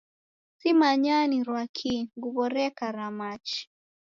Simanyaa nirwa kii nguw'o reka ra machi